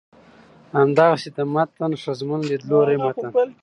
همدغسې د متن ښځمن ليدلورى متن